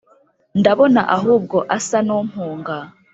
ndabona ahubwo asa n’umpunga